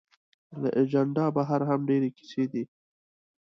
له اجنډا بهر هم ډېرې کیسې دي.